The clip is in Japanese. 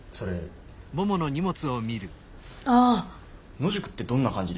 野宿ってどんな感じですか？